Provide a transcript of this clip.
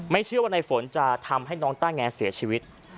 เชื่อว่าในฝนจะทำให้น้องต้าแงเสียชีวิต